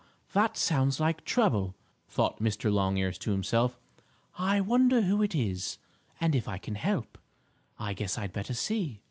That sounds like trouble!" thought Mr. Longears to himself. "I wonder who it is, and if I can help? I guess I'd better see."